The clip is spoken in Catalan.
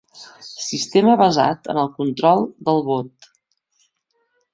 Sistema basat en el control del vot.